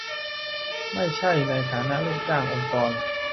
ไม่ใช่ในฐานะลูกจ้างองค์กร